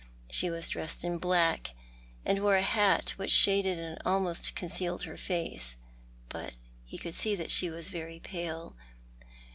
Slie was dressed in black, and wore a hat which shaded and almost concealed her face, but be could see that she was very pale.